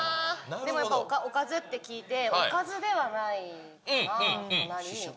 でもおかずって聞いて、おかずではないなって。